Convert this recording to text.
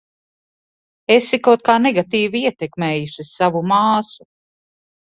Esi kaut kā negatīvi ietekmējusi savu māsu.